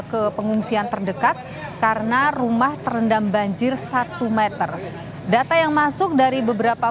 ke pengungsian terdekat karena rumah terendam banjir satu meter data yang masuk dari beberapa